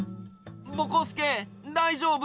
ぼこすけだいじょうぶ？